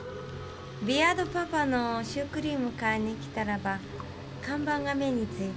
ビアードパパのシュークリーム買いにきたらば看板が目に付いてね。